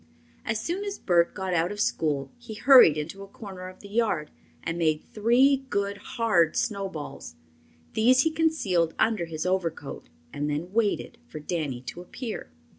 As soon as Bert got out of school he hurried into a corner of the yard and made three good, hard snowballs. These he concealed under his overcoat and then waited for Danny to appear.